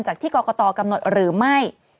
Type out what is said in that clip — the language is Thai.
จากที่กรกตกำหนดหรือไม่